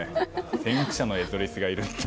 先駆者のエゾリスがいるって。